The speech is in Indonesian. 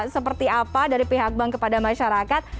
seperti apa dari pihak bank kepada masyarakat